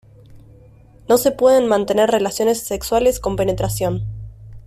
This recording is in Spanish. No se pueden mantener relaciones sexuales con penetración.